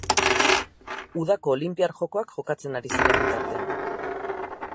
Udako Olinpiar Jokoak jokatzen ari ziren bitartean.